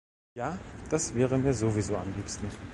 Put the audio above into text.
Ja, das wäre mir sowieso am liebsten.